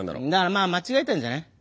まあ間違えたんじゃない？